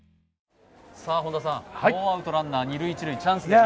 さあ本田さん、ノーアウトランナー、二・一塁のチャンスです。